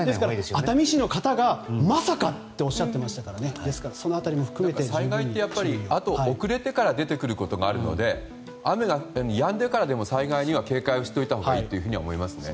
熱海市の方が、まさかとおっしゃっていましたから災害ってあと遅れてから出てくることがあるので雨がやんでからでも災害には警戒したほうがいいです。